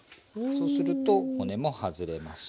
そうすると骨も外れます。